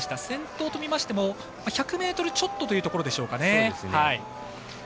先頭を見ても１００ｍちょっとというところでしょうか。